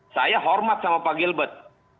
saya hormat sama pak gilbert